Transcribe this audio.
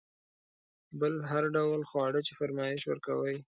بل هر ډول خواړه چې فرمایش ورکوئ.